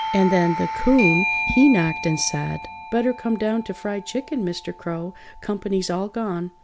And then the 'Coon he knocked and said: "Better come down to fried chicken, Mr. Crow. Comp'ny's all gone!"